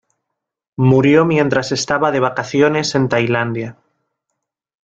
Murió mientras estaba de vacaciones en Tailandia.